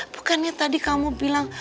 bukannya tadi kamu bilang